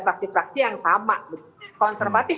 fraksi fraksi yang sama konservatif